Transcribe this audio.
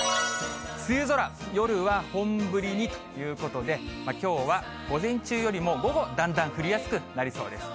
梅雨空、夜は本降りにということで、きょうは午前中よりも午後だんだん降りやすくなりそうです。